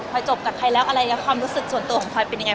พอจบกับใครแล้วอะไรแล้วความรู้สึกส่วนตัวของพลอยเป็นยังไง